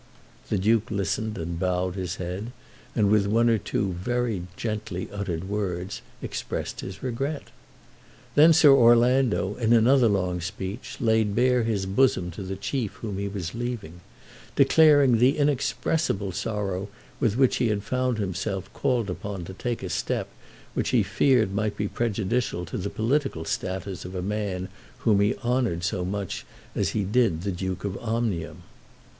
The Duke listened and bowed his head, and with one or two very gently uttered words expressed his regret. Then Sir Orlando, in another long speech, laid bare his bosom to the Chief whom he was leaving, declaring the inexpressible sorrow with which he had found himself called upon to take a step which he feared might be prejudicial to the political status of a man whom he honoured so much as he did the Duke of Omnium.